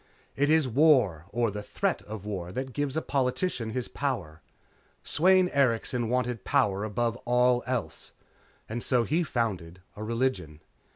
It is war or the threat of war that gives a politician his power. Sweyn Erikson wanted power above all else. And so he founded a religion.